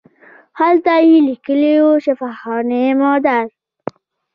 هلته یې لیکلي وو شفاخانه مادر.